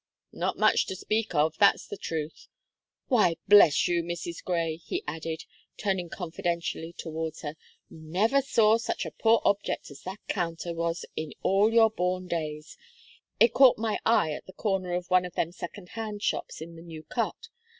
"Not much to speak of; that's the truth. Why, bless you, Mrs. Gray," he added, turning confidentially towards her, "you never saw such a poor object as that counter was in all your born days. It caught my eye at the corner of one of them second hand shops in the New Cut.